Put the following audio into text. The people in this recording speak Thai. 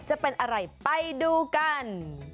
จะเป็นอะไรไปดูกัน